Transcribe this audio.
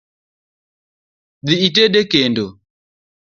Dhii ited e kendo .